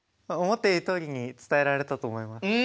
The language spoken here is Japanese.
思っているとおりに伝えられたと思います。